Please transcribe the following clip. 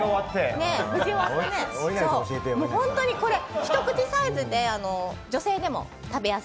本当にこれ、一口サイズで女性でも食べやすい。